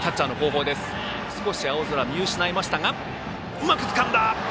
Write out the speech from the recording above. うまくつかんだ！